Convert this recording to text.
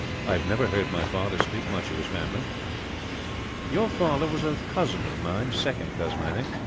I have never heard my father speak much of his family." "Your father was a cousin of mine second cousin, I think.